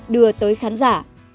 đưa tới khán giả